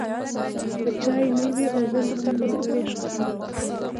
که چای نه وي، غزل هم نیمګړی ښکاري.